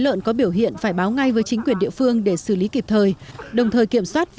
lợn có biểu hiện phải báo ngay với chính quyền địa phương để xử lý kịp thời đồng thời kiểm soát